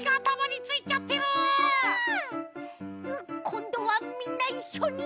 こんどはみんないっしょに！